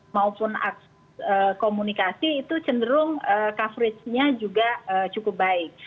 ataupun komunikasi itu cenderung coveragenya juga cukup baik